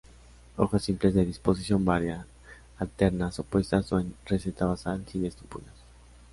Hojas simples de disposición varia, alternas, opuestas o en roseta basal, sin estípulas.